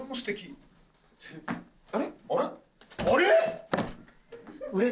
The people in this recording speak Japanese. あれ？